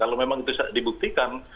kalau memang bisa dibuktikan